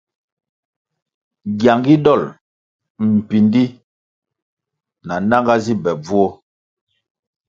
Gyangu dol mpíndí na nanga zi be bvuo.